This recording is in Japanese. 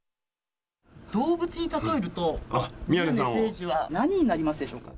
動物に例えると、宮根誠司は何になりますでしょうか。